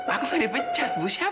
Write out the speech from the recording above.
aku ngeri pecat lu siapa ya